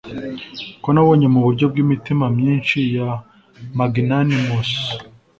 ko nabonye muburyo bwimitima myinshi ya magnanimous